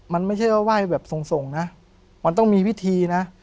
มันไม่ใช่ว่าไหว้แบบส่งนะมันต้องมีวิธีนะ